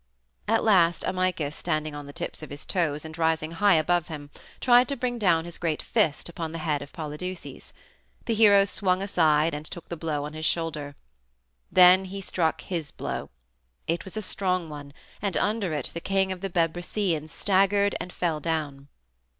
At last Amycus, standing on the tips of his toes and rising high above him, tried to bring down his great fist upon the head of Polydeuces. The hero swung aside and took the blow on his shoulder. Then he struck his blow. It was a strong one, and under it the king of the Bebrycians staggered and fell down.